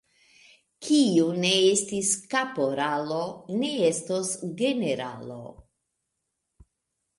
Kiu ne estis kaporalo, ne estos generalo.